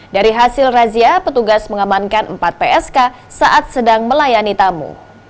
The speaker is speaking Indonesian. dari hasil razia petugas mengamankan empat psk saat sedang melayani tamu